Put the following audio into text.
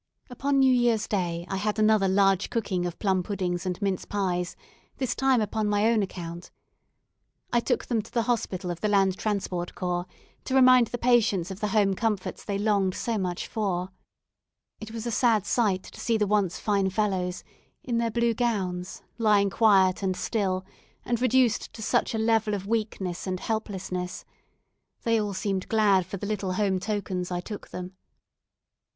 Upon New Year's day I had another large cooking of plum puddings and mince pies; this time upon my own account. I took them to the hospital of the Land Transport Corps, to remind the patients of the home comforts they longed so much for. It was a sad sight to see the once fine fellows, in their blue gowns, lying quiet and still, and reduced to such a level of weakness and helplessness. They all seemed glad for the little home tokens I took them.